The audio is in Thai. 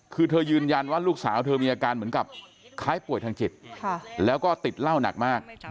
คือเธอยืนยันว่าลูกสาวเธอมีอาการเหมือนกับคล้ายป่วยทางจิตแล้วก็ติดเหล้าหนักมาก